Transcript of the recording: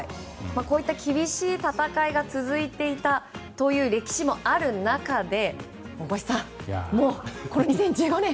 こういった厳しい戦いが続いていたという歴史もある中で大越さん、もうこの２０１５年。